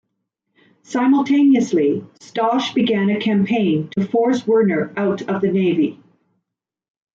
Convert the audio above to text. Simultaneously, Stosch began a campaign to force Werner out of the navy.